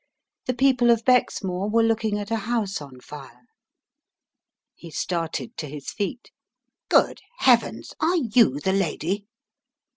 The people of Bexmore were looking at a house on fire." He started to his feet. "Good heavens! are you the lady?"